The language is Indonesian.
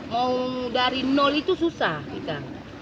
mau dari nol itu susah kita